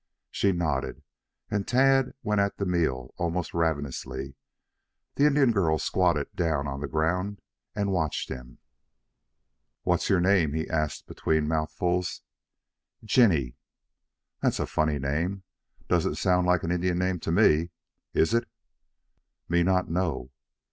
She nodded and Tad went at the meal almost ravenously. The Indian girl squatted down on the ground and watched him. "What's your name?" he asked between mouthfuls. "Jinny." "That's a funny name. Doesn't sound like an Indian name. Is it?" "Me not know.